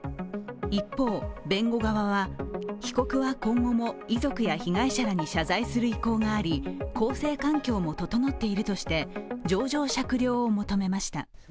一方、弁護側は被告は今後も遺族や被害者らに謝罪する意向があり、更生環境も整っているとして情状酌量を求めました。